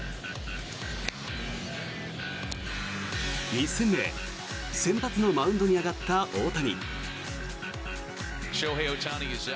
１戦目先発のマウンドに上がった大谷。